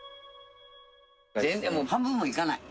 全然、半分もいかない。